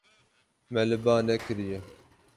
Me li ba nekiriye.